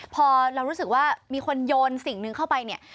พอเรารู้สึกว่ามีคนโยนสิ่งหนึ่งเข้าไปเนี่ย